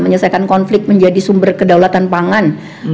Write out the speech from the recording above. menyelesaikan konflik menjadi sumber kedaulatan pangan